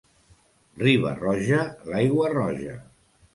Riba-roja, l'aigua roja.